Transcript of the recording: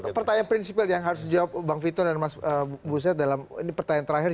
tapi pertanyaan prinsipal yang harus dijawab bang vito dan mas buset dalam pertanyaan terakhir